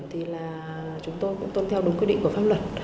thì là chúng tôi cũng tuân theo đúng quy định của pháp luật